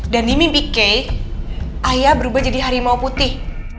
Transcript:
dan di mimpi kay ayah berubah jadi harimau putih